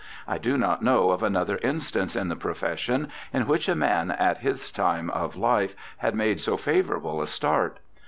I do not know of another instance in the profession in which a man at his time of life had made so favourable a start.